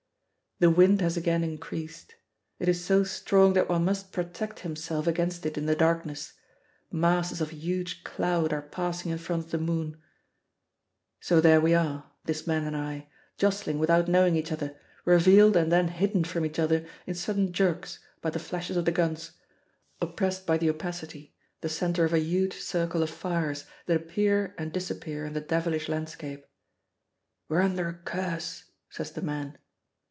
The wind has again increased; it is so strong that one must protect himself against it in the darkness; masses of huge cloud are passing in front of the moon. So there we are, this man and I, jostling without knowing each other, revealed and then hidden from each other in sudden jerks by the flashes of the guns, oppressed by the opacity, the center of a huge circle of fires that appear and disappear in the devilish landscape. "We're under a curse," says the man.